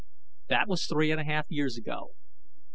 That was three and a half years ago.